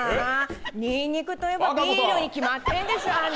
ニンニクといえばビールに決まってんでしょ！